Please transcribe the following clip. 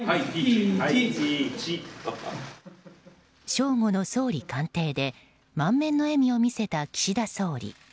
正午の総理官邸で満面の笑みを見せた岸田総理。